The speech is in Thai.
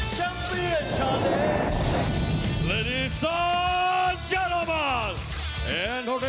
ชันเบียนชันลอร์ด